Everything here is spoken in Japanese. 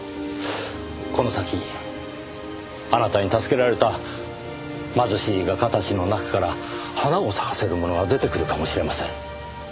この先あなたに助けられた貧しい画家たちの中から花を咲かせる者が出てくるかもしれません。